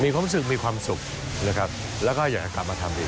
มีความรู้สึกมีความสุขนะครับแล้วก็อยากจะกลับมาทำอีก